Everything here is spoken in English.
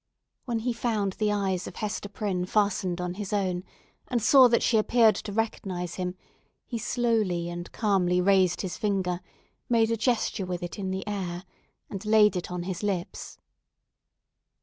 When he found the eyes of Hester Prynne fastened on his own, and saw that she appeared to recognize him, he slowly and calmly raised his finger, made a gesture with it in the air, and laid it on his lips.